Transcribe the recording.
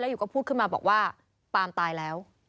อยู่ก็พูดขึ้นมาบอกว่าปาล์มตายแล้ว